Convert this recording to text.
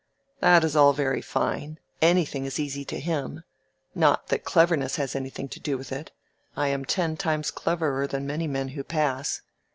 "That is all very fine. Anything is easy to him. Not that cleverness has anything to do with it. I am ten times cleverer than many men who pass."